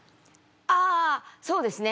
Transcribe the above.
あそうですね。